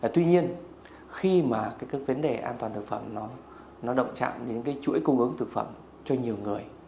tuy nhiên khi mà các vấn đề an toàn thực phẩm nó động chạm đến cái chuỗi cung ứng thực phẩm cho nhiều người